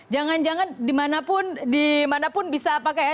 jangan jangan dimanapun dimanapun bisa pakai ya